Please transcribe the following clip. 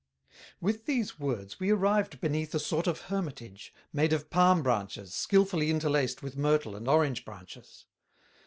With these words we arrived beneath a sort of Hermitage, made of palm branches skilfully interlaced with myrtle and orange branches.